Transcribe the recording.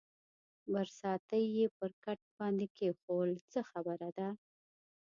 برساتۍ یې پر کټ باندې کېښوول، څه خبره ده؟